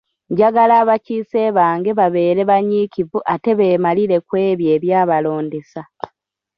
Njagala abakiise bange babeere banyiikivu ate beemalire ku ebyo ebyabalondesa.